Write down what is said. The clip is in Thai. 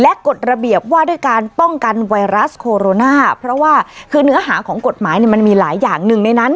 กฎระเบียบว่าด้วยการป้องกันไวรัสโคโรนาเพราะว่าคือเนื้อหาของกฎหมายเนี่ยมันมีหลายอย่างหนึ่งในนั้น